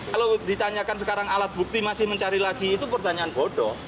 kalau ditanyakan sekarang alat bukti masih mencari lagi itu pertanyaan bodoh